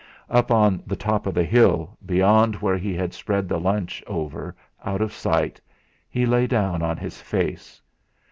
Up on the top of the hill, beyond where he had spread the lunch, over, out of sight, he lay down on his face.